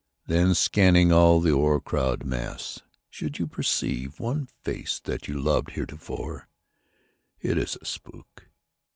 Then, scanning all the o'ercrowded mass, should you Perceive one face that you loved heretofore, It is a spook.